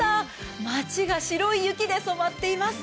街が白い雪で染まっています。